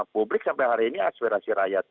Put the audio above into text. publik sampai hari ini aspirasi rakyat